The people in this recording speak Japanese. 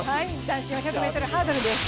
男子４００ｍハードルです。